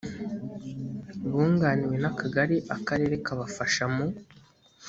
bunganiwe n akagari akarere kabafasha mu